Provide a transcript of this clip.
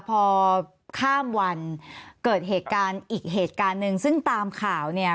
พอข้ามวันเกิดเหตุการณ์อีกเหตุการณ์หนึ่งซึ่งตามข่าวเนี่ย